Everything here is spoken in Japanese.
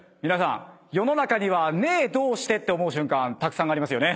世の中にはねぇ，どうして？って思う瞬間ありますよね。